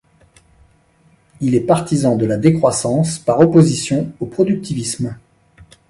Il est partisan de la décroissance, par opposition au productivisme.